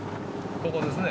ここですね。